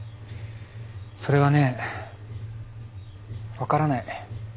それはねぇ分からない。